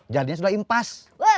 jadinya sudah impas